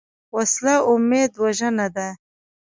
وسله امید وژنه ده